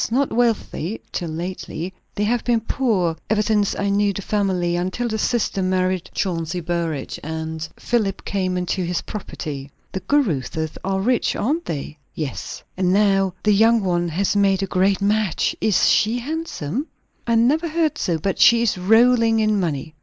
Not wealthy, till lately. They have been poor, ever since I knew the family; until the sister married Chauncey Burrage, and Philip came into his property." "The Caruthers are rich, aren't they?" "Yes." "And now the young one has made a great match? Is she handsome?" "I never heard so. But she is rolling in money."